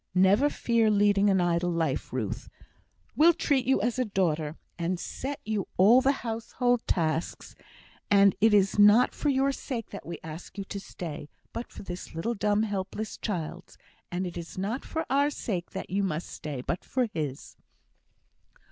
Never fear leading an idle life, Ruth. We'll treat you as a daughter, and set you all the household tasks; and it is not for your sake that we ask you to stay, but for this little dumb helpless child's; and it is not for our sake that you must stay, but for his."